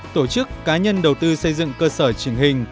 tổ chức cá nhân đầu tư xây dựng cơ sở trình hình